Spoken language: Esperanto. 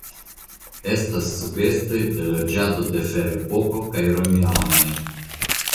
Estas sugestoj de loĝado de Ferepoko kaj romianoj.